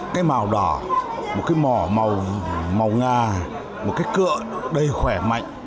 cái màu đỏ một cái mỏ màu màu ngà một cái cựa đầy khỏe mạnh